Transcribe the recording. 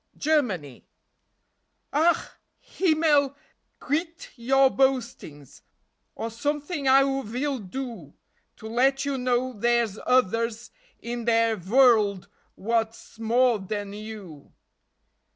Germany: Ach, Himmel! Kvit your boastings, Or someting I vill do To let you know dere's oders in De vorld what's more den you.